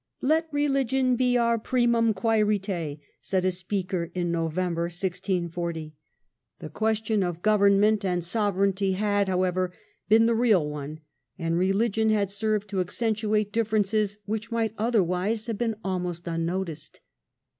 " Let religion be our primum quarite^^ said a speaker in November, 1640. The question of government and sovereignty had, however, been the real one, and religion had served to accentuate differences which might otherwise have been almost unnoticed.